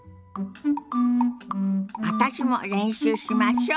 私も練習しましょ。